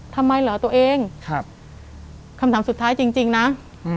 ทำไมเหรอตัวเองครับคำถามสุดท้ายจริงจริงนะอืม